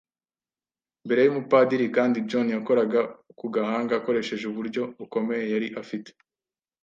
mbere y'umupadiri. ” Kandi John yakoraga ku gahanga akoresheje uburyo bukomeye yari afite